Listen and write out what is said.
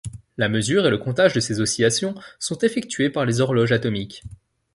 La mesure et le comptage de ces oscillations sont effectuées par les horloges atomiques.